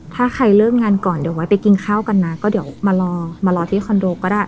ถ้าใครเลิกงานก่อนเดี๋ยวไว้ไปกินข้าวกันนะก็เดี๋ยวมารอมารอที่คอนโดก็ได้